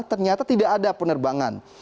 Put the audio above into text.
ternyata tidak ada penerbangan